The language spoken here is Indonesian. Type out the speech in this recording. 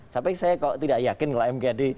tapi saya kok tidak yakin kalau mkd